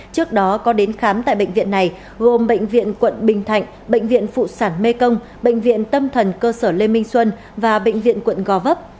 trước đó có đến khám tại bệnh viện này gồm bệnh viện quận bình thạnh bệnh viện phụ sản mê công bệnh viện tâm thần cơ sở lê minh xuân và bệnh viện quận gò vấp